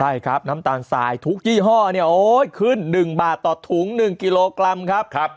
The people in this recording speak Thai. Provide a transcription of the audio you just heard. ใช่ครับน้ำตาลสายทุกยี่ห้อเนี่ยโอ๊ยขึ้น๑บาทต่อถุง๑กิโลกรัมครับ